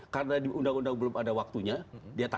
karena di undang undang belum ada yang mencabut hak politik orang